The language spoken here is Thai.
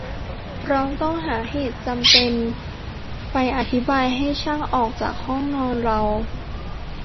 เราต้องหาเหตุจำเป็นไปอธิบายให้ช่างออกจากห้องนอนเรา